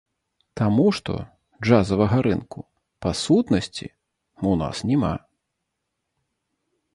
Таму што, джазавага рынку, па сутнасці, у нас няма.